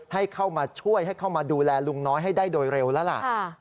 ให้เข้ามาช่วยให้เข้ามาดูแลลุงน้อยให้ได้โดยเร็วแล้วล่ะ